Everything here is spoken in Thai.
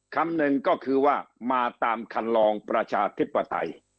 คำหนึ่งก็คือว่ามาตามคันลองประชาธิปไตย